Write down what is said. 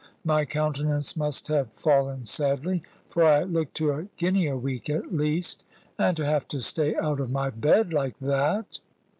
My countenance must have fallen sadly; for I looked to a guinea a week at least. "And to have to stay out of my bed like that!"